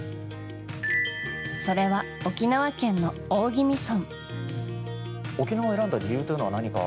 それは沖縄県の大宜味村。